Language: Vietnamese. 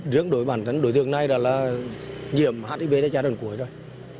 điện đối bản thân đối tượng này là nhiệm hnvt trả đồn cuối rồi